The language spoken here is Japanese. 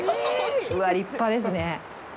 うわ、立派ですね。